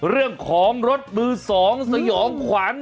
เรื่องของรถมือ๒สยองขวัญ